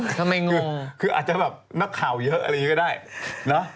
ทำไมงงคืออาจจะแบบนักข่าวเยอะอะไรอย่างนี้ก็ได้เนอะ